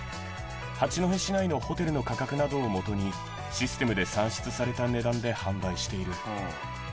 八戸市内のホテルの価格などをもとに、システムで算出された値段で販売している。